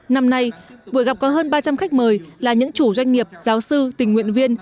năm nay buổi gặp có hơn ba trăm linh khách mời là những chủ doanh nghiệp giáo sư tình nguyện viên